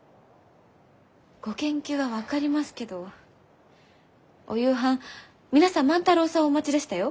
ご研究は分かりますけどお夕飯皆さん万太郎さんをお待ちでしたよ。